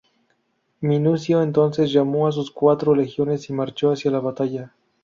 Minucio, entonces, llamó a sus cuatro legiones y marchó hacia la batalla.